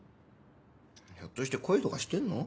ひょっとして恋とかしてんの？